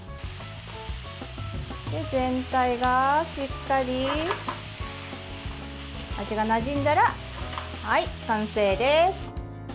全体がしっかり味がなじんだら完成です。